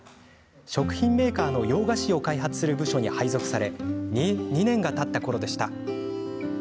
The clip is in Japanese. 食品メーカーの洋菓子を開発する部署に配属され２年がたったころでした。